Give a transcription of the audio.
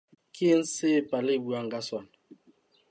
Ke eng seo pale e buang ka sona?